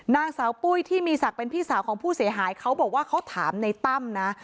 นางสาวปุ้ยที่มีศักดิ์เป็นพี่สาวของผู้เสียหายเขาบอกว่าเขาถามในตั้มนะ